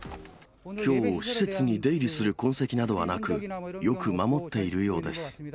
きょう、施設に出入りする痕跡などはなく、よく守っているようです。